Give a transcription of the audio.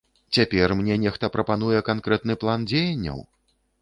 Цяпер мне нехта прапануе канкрэтны план дзеянняў?